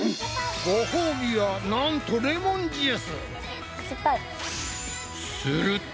ご褒美はなんとレモンジュース。